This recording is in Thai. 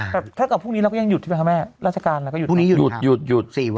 แต่ถ้าเกิดพรุ่งนี้เราก็ยังหยุดใช่ไหมครับแม่ราชการเราก็หยุดครับ